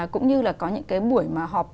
cũng như là có những cái buổi mà họ